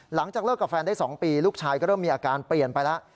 หลังจากเลิกกับแฟนได้๒ปีลูกชายก็เริ่มมีอาการเปลี่ยนไปแล้ว